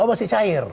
oh masih cair